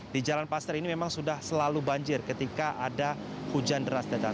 di jalan paster ini memang sudah selalu banjir ketika ada hujan deras datang